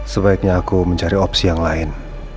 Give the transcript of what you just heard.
sebaiknya aku mencari opsi yang lain